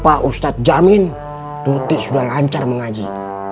opa ustadz jamin tuti sudah lancar mengaji